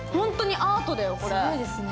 すごいですね。